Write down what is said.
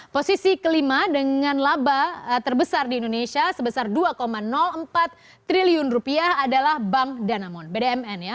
posisi kelima dengan laba terbesar di indonesia sebesar dua empat triliun rupiah adalah bank danamon bdmn ya